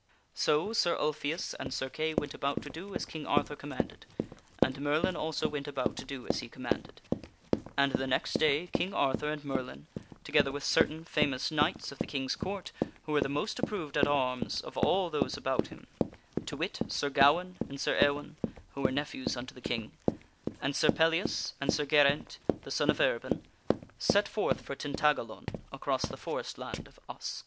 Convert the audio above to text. So Sir Ulfius and Sir Kay went about to do as King Arthur com manded, and Merlin also went about to do as he commanded ; and the next day King Arthur and Merlin, together with certain famous knights of the King's Court who were the most approved at arms of all those about him to wit, Sir Gawaine, and Sir Ewaine (who were nephews unto the King), and Sir Pellias and Sir Geraint, the son of Erbin set forth for Tintagalon across the forest land of Usk.